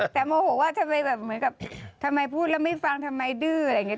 แต่โมโหว่าทำไมแบบเหมือนกับทำไมพูดแล้วไม่ฟังทำไมดื้ออะไรอย่างนี้